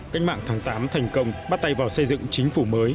cách mạng tháng tám thành công bắt tay vào xây dựng chính phủ mới